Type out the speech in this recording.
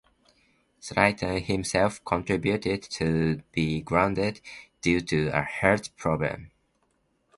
Slayton himself continued to be grounded due to a heart problem.